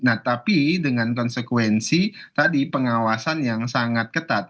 nah tapi dengan konsekuensi tadi pengawasan yang sangat ketat